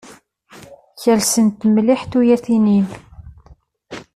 Kersent mliḥ tuyat-nnem.